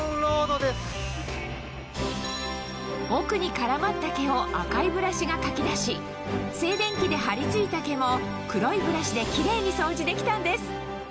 奥に絡まった毛を赤いブラシがかき出し静電気で張り付いた毛も黒いブラシでキレイに掃除できたんです